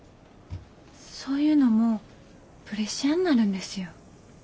そういうのもプレッシャーになるんですよ。